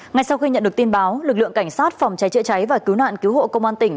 ngay sau khi nhận được tin báo lực lượng cảnh sát phòng cháy chữa cháy và cứu nạn cứu hộ công an tỉnh